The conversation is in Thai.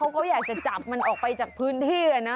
เขาก็อยากจะจับมันออกไปจากพื้นที่นะ